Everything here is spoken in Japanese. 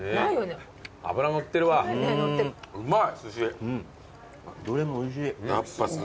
うまい！